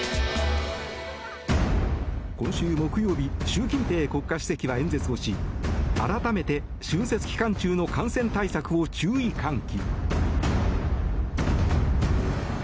今週木曜日習近平国家主席は演説をし改めて春節期間中の感染対策を注意喚起。